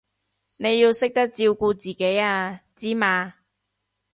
你要識得照顧自己啊，知嘛？